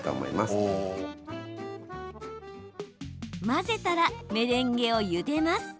混ぜたら、メレンゲをゆでます。